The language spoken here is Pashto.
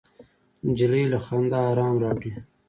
نجلۍ له خندا ارام راوړي.